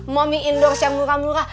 momi endorse yang murah murah